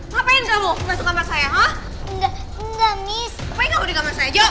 ngapain kamu masuk kamar saya